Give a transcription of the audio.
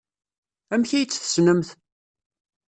Amek ay tt-tessnemt?